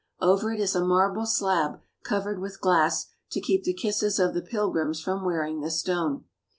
Over it is a marble slab covered with glass to keep the kisses of the pilgrims from wearing the stone.